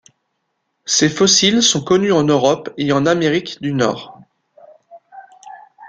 Ses fossiles sont connus en Europe et en Amérique du Nord.